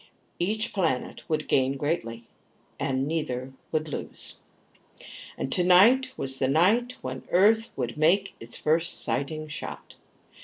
Each planet would gain greatly, and neither would lose. And tonight was the night when Earth would make its first sighting shot.